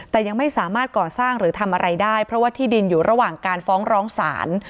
แต่ยังไม่สามารถก่อสร้างหรือทำอะไรได้เพราะว่าที่ดินอยู่ระหว่างการฟ้องร้องศาล